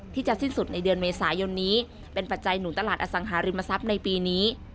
ที่จะสิ้นสุดในเดือนเมษายนนี้เป็นปัจจัยหนุนตลาดอสังหาริมทรัพย์ในปีนี้